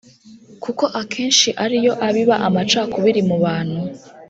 kuko akenshi ari yo abiba amacakubiri mu bantu.